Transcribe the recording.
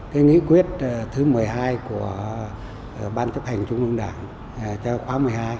cái nghị quyết thứ một mươi hai của ban chấp hành trung ương đảng cho khóa một mươi hai